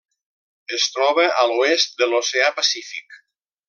Es troba a l'oest de l'Oceà Pacífic: